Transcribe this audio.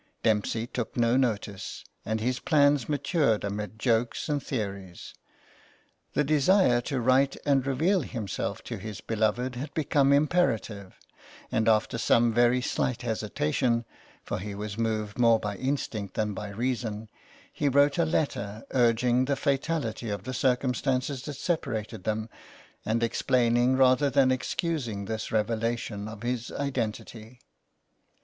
Dempsey took no notice, and his plans matured amid jokes and theories. The desire to write and reveal himself to his beloved had become imperative ; and after some very slight hesitation — for he was moved more by instinct than by reason — he wrote a letter urging the fatality of the circumstances that separated them, and explaining rather than excusing this revelation of his identity.